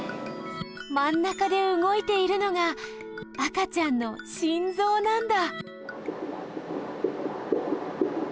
まん中でうごいているのが赤ちゃんの心ぞうなんだ